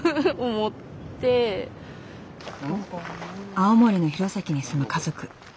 青森の弘前に住む家族。